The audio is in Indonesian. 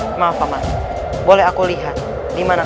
tapi aku sudah